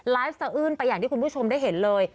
สะอื้นไปอย่างที่คุณผู้ชมได้เห็นเลย